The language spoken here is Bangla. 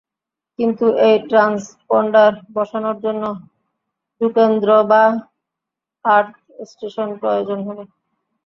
কিন্তু এই ট্রান্সপন্ডার বসানোর জন্য ভূকেন্দ্র বা আর্থস্টেশন প্রয়োজন হবে।